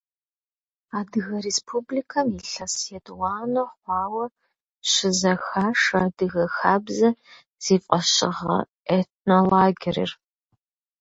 Адыгэ Республикэм илъэс етӏуанэ хъуауэ щызэхашэ «Адыгэ хабзэ» зи фӏэщыгъэ этнолагерыр.